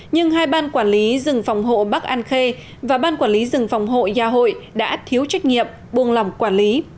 nhưng hai ban quản lý rừng phòng hộ bắc an khê và ban quản lý rừng phòng hộ gia hội đã thiếu trách nhiệm buông lòng quản lý